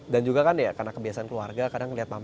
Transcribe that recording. dan juga kan ya karena kebiasaan keluarga kadang lihat mama mama